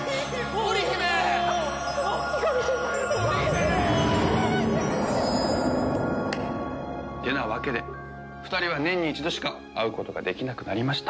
織姫！ってなわけで２人は年に１度しか会うことができなくなりました。